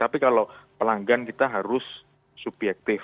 tapi kalau pelanggan kita harus subjektif